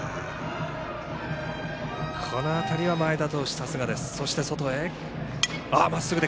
この辺りは前田投手、さすがです。